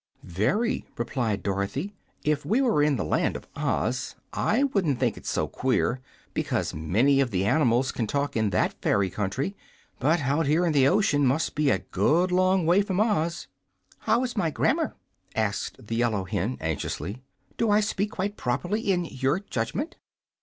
"Very," replied Dorothy. "If we were in the Land of Oz, I wouldn't think it so queer, because many of the animals can talk in that fairy country. But out here in the ocean must be a good long way from Oz." "How is my grammar?" asked the yellow hen, anxiously. "Do I speak quite properly, in your judgment?"